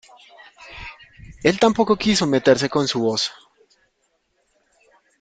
Él tampoco quiso meterse con su voz.